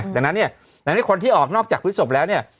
ดังนั้นเนี่ยดังนั้นคนที่ออกนอกจากพฤศพแล้วเนี่ย